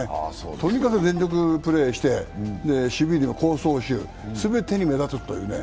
とにかく全力プレーして攻・走・守全てに目立つというね。